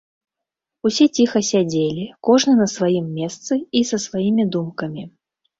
Усе ціха сядзелі, кожны на сваім месцы і са сваімі думкамі.